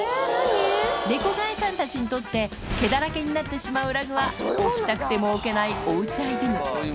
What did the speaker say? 猫飼いさんたちにとって毛だらけになってしまうラグは、置きたくても置けないおうちアイテム。